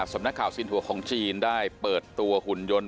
สำนักข่าวสินทัวร์ของจีนได้เปิดตัวหุ่นยนต์